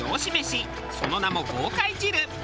その名も豪快汁。